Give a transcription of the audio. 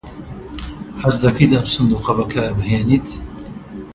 حەز دەکەیت ئەم سندووقە بەکاربهێنیت؟